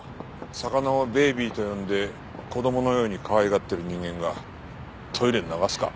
魚をベイビーと呼んで子供のようにかわいがってる人間がトイレに流すか？